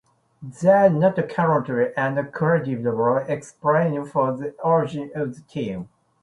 There is not currently any credible explanation for the origin of the term.